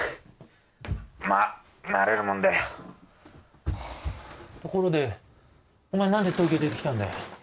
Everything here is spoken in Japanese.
まあ慣れるもんだよところでお前何で東京出てきたんだよ？